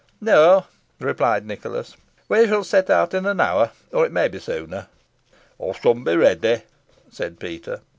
"No," replied Nicholas. "We shall set out in an hour or it may be sooner." "Aw shan be ready," said Peter.